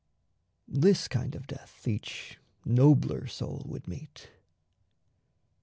This kind of death each nobler soul would meet.